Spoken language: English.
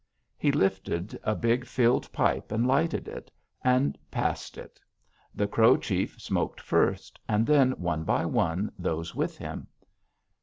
He lifted a big filled pipe and lighted it, and passed it. The Crow chief smoked first, and then one by one those with him.